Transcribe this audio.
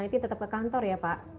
berarti tetap ke kantor ya pak